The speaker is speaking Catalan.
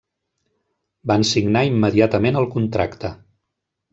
Van signar immediatament el contracte.